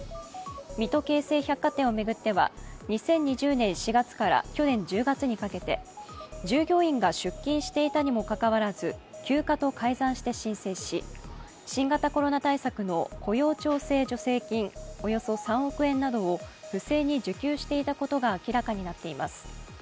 水戸京成百貨店を巡っては２０２０年４月から去年１０月にかけて従業員が出勤していたにもかかわらず休暇と改ざんして申請し新型コロナ対策の雇用調整助成金およそ３億円などを不正に受給していたことが明らかになっています。